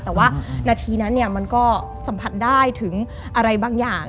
แต่ว่านาทีนั้นมันก็สัมผัสได้ถึงอะไรบางอย่าง